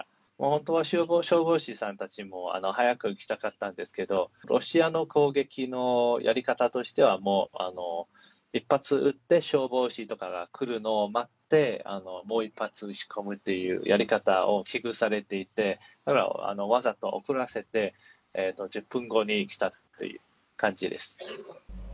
本当は消防士さんたちも、早く来たかったんですけど、ロシアの攻撃のやり方としては、もう、１発撃って、消防士とかが来るのを待って、もう１発撃ち込むというやり方を危惧されていて、だから、わざと遅らせて、１０分後に来たっていう感じです。